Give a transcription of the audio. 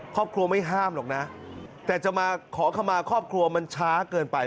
ครอบครัวไม่ห้ามหรอกนะแต่จะมาขอขมาครอบครัวมันช้าเกินไป